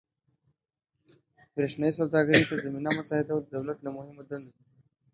برېښنايي سوداګرۍ ته زمینه مساعدول د دولت له مهمو دندو دي.